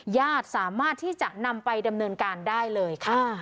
ญาติสามารถที่จะนำไปดำเนินการได้เลยค่ะ